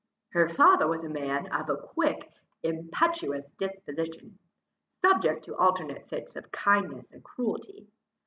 Her father was a man of a quick, impetuous disposition, subject to alternate fits of kindness and cruelty.